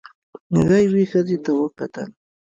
هغه یوې ښځې ته وکتل.